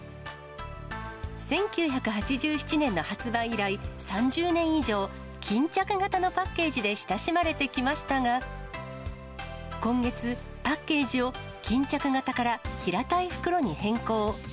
１９８７年の発売以来、３０年以上、巾着型のパッケージで親しまれてきましたが、今月、パッケージを巾着型から平たい袋に変更。